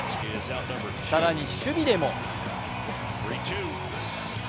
更に守備でも。